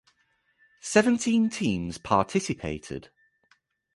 Seventeen teams participated.